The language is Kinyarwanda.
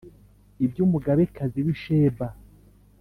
Iby'umugabekazi w'i Sheba